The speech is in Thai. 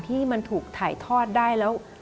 ที่มันถูกถ่ายทอดได้แล้ว